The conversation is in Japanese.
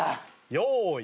用意。